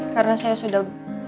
karena saya sudah